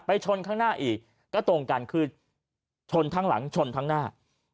ชนข้างหน้าอีกก็ตรงกันคือชนทั้งหลังชนทั้งหน้า